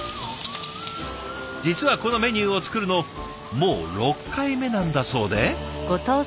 実はこのメニューを作るのもう６回目なんだそうで。